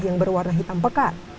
yang berwarna hitam pekat